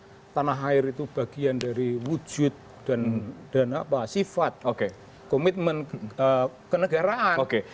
itu cinta kepada tanah air itu bagian dari wujud dan sifat komitmen kenegaraan